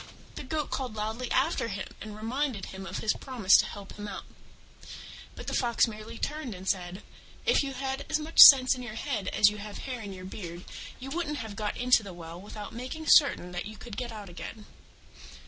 The Goat called loudly after him and reminded him of his promise to help him out: but the Fox merely turned and said, "If you had as much sense in your head as you have hair in your beard you wouldn't have got into the well without making certain that you could get out again."